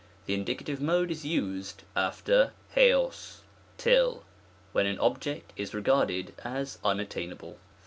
The Indicative Mode is used after S(og (till), when an object is re garded as unattainable.